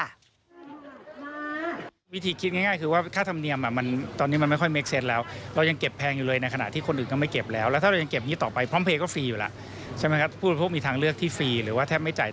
อันนี้ก็คือเรื่องค่าธรรมเนียม